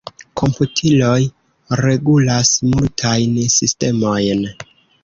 Komputiloj regulas multajn sistemojn.